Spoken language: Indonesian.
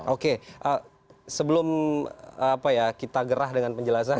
oke sebelum kita gerah dengan penjelasan